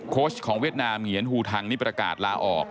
โค้ชของเวียดนามเหงียนฮูทังนี่ประกาศลาออก